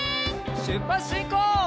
しゅっぱつしんこう！